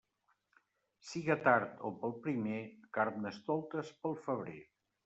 Siga tard o pel primer, carnestoltes pel febrer.